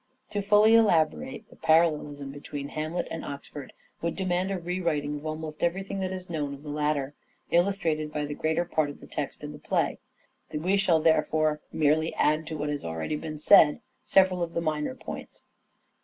To fully elaborate the parallelism between Hamlet and Oxford would demand a rewriting of almost everything that is known of the latter, illustrated by the greater part of the text of the play. We shall therefore merely add to what has already been said several of the minor points.